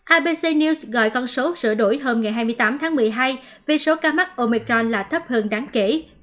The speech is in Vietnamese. abc news gọi con số sửa đổi hôm hai mươi tám tháng một mươi hai vì số ca mắc omicron là thấp hơn đáng kỹ